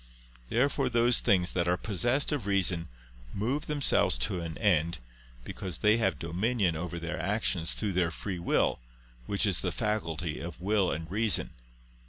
Therefore those things that are possessed of reason, move themselves to an end; because they have dominion over their actions through their free will, which is the "faculty of will and reason."